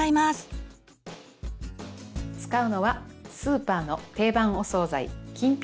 使うのはスーパーの定番お総菜きんぴらごぼうです。